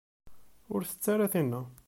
Ur tett ara tinna.